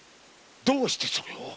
どうしてそれを！？